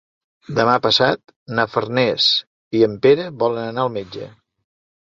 Demà passat na Farners i en Pere volen anar al metge.